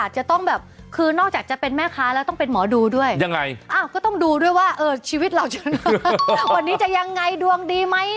จะต้องแบบคือนอกจากจะเป็นแม่ค้าแล้วต้องเป็นหมอดูด้วยยังไงก็ต้องดูด้วยว่าชีวิตเราจะวันนี้จะยังไงดวงดีไหม